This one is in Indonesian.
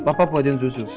papa buatin susu